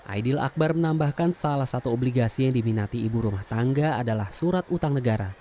aidil akbar menambahkan salah satu obligasi yang diminati ibu rumah tangga adalah surat utang negara